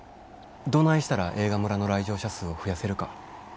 どないしたら映画村の来場者数を増やせるか。